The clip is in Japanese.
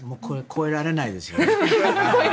超えられないです。